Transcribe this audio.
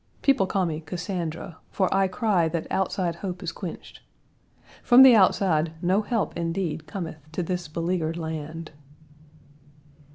People call me Cassandra, for I cry that outside hope is quenched. From the outside no help indeed cometh to this beleaguered land.